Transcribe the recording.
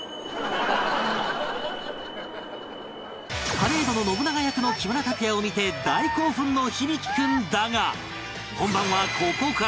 パレードの信長役の木村拓哉を見て大興奮の響大君だが本番はここから